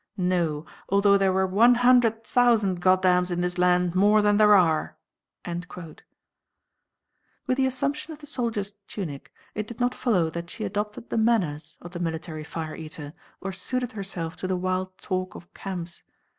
No! although there were one hundred thousand Goddams in this land more than there are!" With the assumption of the soldier's tunic, it did not follow that she adopted the manners of the military fire eater, or suited herself to the wild talk of camps.